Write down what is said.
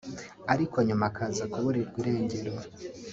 ariko nyuma akaza kuburirwa irengero